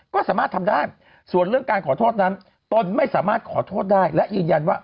ก็สามารถทำได้ส่วนเรื่องการขอโทษนั้นตนไม่สามารถขอโทษได้และยืนยันว่า